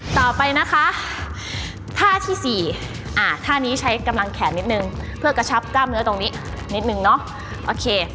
ต่อไปนะคะท่าที่สี่ท่านี้ใช้กำลังแขนนิดนึงเพื่อกระชับกล้ามเนื้อตรงนี้นิดนึงเนาะโอเค